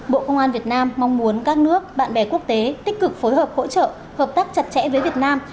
bộ công an việt nam mong muốn các nước bạn bè quốc tế tích cực phối hợp hỗ trợ hợp tác chặt chẽ với việt nam